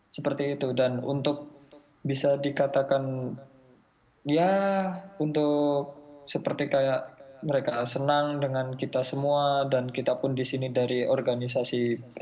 seperti itu dan untuk bisa dikatakan ya untuk seperti kayak mereka senang dengan kita semua dan kita pun di sini dari organisasi